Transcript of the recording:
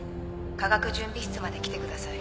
化学準備室まで来てください。